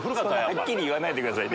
はっきり言わないでください。